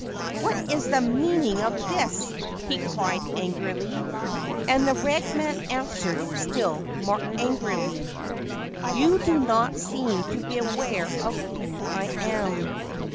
4 What is the meaning of this ?' he cried angrily ; and the red man answered still more angrily :' You do not seem to be aware of who I am.